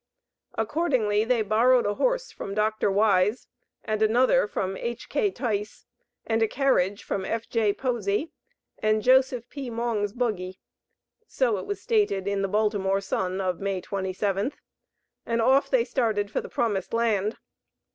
Accordingly they borrowed a horse from Dr. Wise, and another from H.K. Tice, and a carriage from F.J. Posey, and Joseph P. Mong's buggy (so it was stated in the Baltimore Sun, of May 27th), and off they started for the promised land.